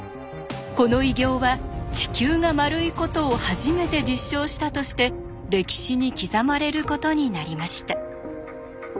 この偉業は地球が丸いことを初めて実証したとして歴史に刻まれることになりました。